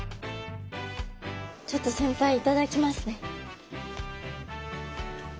ちょっと先輩頂きますね。